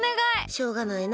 しょうがないな。